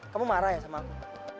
kamu marah ya sama aku